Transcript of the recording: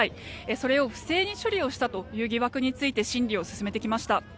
それを不正に処理をしたという疑惑について審理を進めてきました。